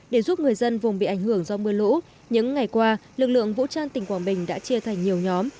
để giúp người dân vùng bị ảnh hưởng do mưa lũ những ngày qua lực lượng vũ trang tỉnh quảng bình đã chia thành nhiều nhóm